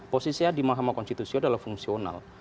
posisi saya di mahkamah konstitusi adalah fungsional